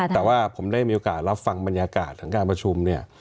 แต่ว่าผมได้มีโอกาสรับฟังบรรยากาศของการประชุมเนี่ย